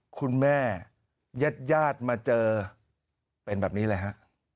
คุณแม่ญาติญาติมาเจอเป็นแบบนี้เลยฮะ